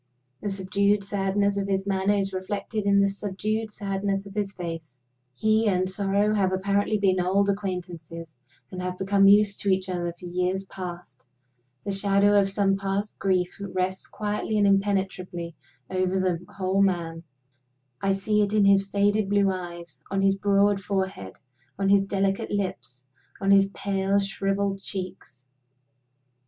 The subdued sadness of his manner is reflected in the subdued sadness of his face. He and sorrow have apparently been old acquaintances, and have become used to each other for years past. The shadow of some past grief rests quietly and impenetrably over the whole man; I see it in his faded blue eyes, on his broad forehead, on his delicate lips, on his pale shriveled cheeks.